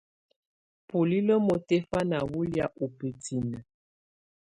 Bulilǝ́ mutɛ̀fana wù lɛ̀́á ù bǝtinǝ́.